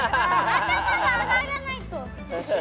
頭が上がらないと。